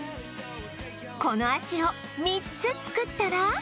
この脚を３つ作ったら